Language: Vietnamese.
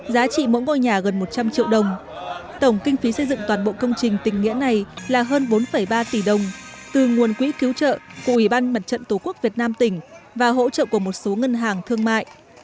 giá trị mỗi ngôi nhà gần một trăm linh triệu đồng tổng kinh phí xây dựng toàn bộ công trình tỉnh nghĩa này là hơn bốn ba tỷ đồng từ nguồn quỹ cứu trợ của ủy ban mặt trận tổ quốc việt nam tỉnh và hỗ trợ của một số ngân hàng thương mại